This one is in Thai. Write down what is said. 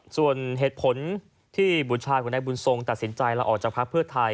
ส่วนเหตุผลที่บุตรชายของนายบุญทรงตัดสินใจลาออกจากพักเพื่อไทย